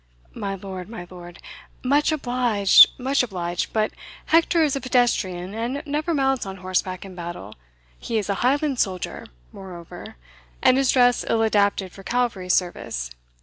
"My lord my lord much obliged much obliged But Hector is a pedestrian, and never mounts on horseback in battle he is a Highland soldier, moreover, and his dress ill adapted for cavalry service.